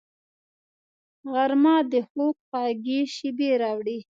غرمه د خوب خوږې شېبې راوړي